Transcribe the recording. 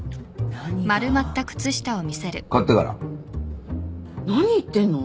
何言ってんの？